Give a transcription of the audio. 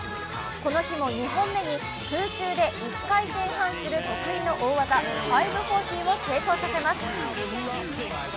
この日も２本目に空中で１回転半する得意の大技５４０を成功させます。